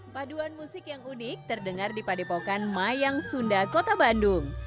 paduan musik yang unik terdengar di padepokan mayang sunda kota bandung